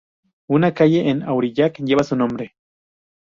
Una calle en Aurillac lleva su nombre.